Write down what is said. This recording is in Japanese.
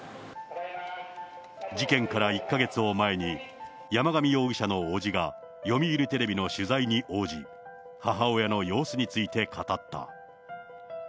事件から１か月を前に、山上容疑者の伯父が読売テレビの取材に応じ、母親の様子について語った。